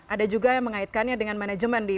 ada juga yang mengaitkannya dengan manajemen di